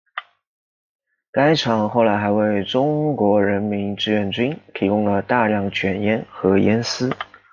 该厂后来还为中国人民志愿军提供了大量卷烟和烟丝。